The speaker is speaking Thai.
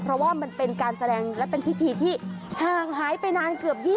เพราะว่ามันเป็นการแสดงและเป็นพิธีที่ห่างหายไปนานเกือบ๒๐